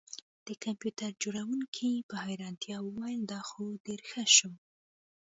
د کمپیوټر جوړونکي په حیرانتیا وویل دا خو ډیر ښه شو